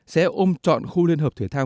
sẽ ôm trọn khu liên hợp thủy thang